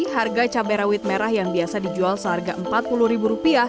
harga cabai rawit merah yang biasa dijual seharga rp empat puluh